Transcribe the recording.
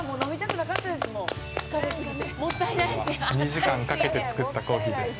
２時間かけて作ったコーヒーです。